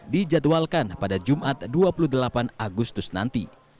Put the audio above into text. dijadwalkan pada jumat dua puluh delapan agustus nanti